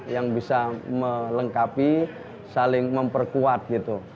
yang bisa melengkapi saling memperkuat gitu